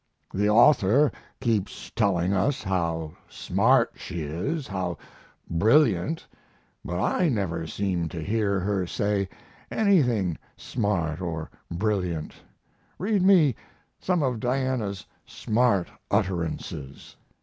The author keeps telling us how smart she is, how brilliant, but I never seem to hear her say anything smart or brilliant. Read me some of Diana's smart utterances."